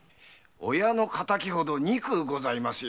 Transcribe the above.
親の敵ほど憎うございますよ！